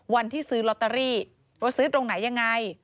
วันที่ซื้อลอตเตอรี่ว่าซื้อตรงไหนยังไง